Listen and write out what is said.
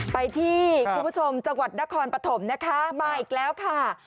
ไปที่คุณผู้ชมจังหวัดนครปฐมนะคะมาอีกแล้วค่ะ